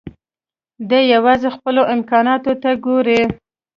دی يوازې خپلو امکاناتو ته ګوري.